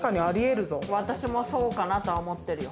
私もそうかなと思ってるよ。